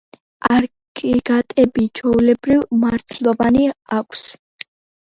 აგრეგატები ჩვეულებრივ მარცვლოვანი აქვს.